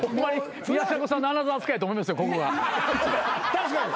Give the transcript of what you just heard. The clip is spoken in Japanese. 確かに。